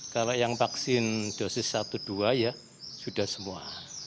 kalau yang vaksin dosis satu dua ya sudah semua